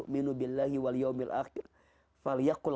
kemudian kalau kebajikan pembutik aja hancur